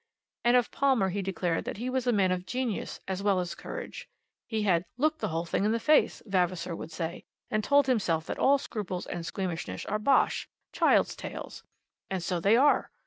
And of Palmer he declared that he was a man of genius as well as courage. He had "looked the whole thing in the face," Vavasor would say, "and told himself that all scruples and squeamishness are bosh, child's tales. And so they are.